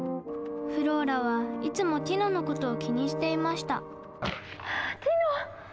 フローラはいつもティノのことを気にしていましたティノ！